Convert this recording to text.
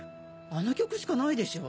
あの曲しかないでしょ。